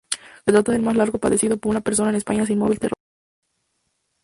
Se trata del más largo padecido por una persona en España sin móvil terrorista.